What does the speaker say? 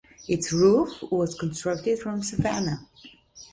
Its roof was constructed from savanna.